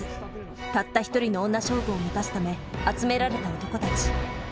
たった一人の女将軍を満たすため集められた男たち。